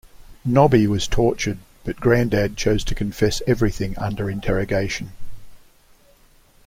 Nobby was tortured but Grandad chose to confess everything under interrogation.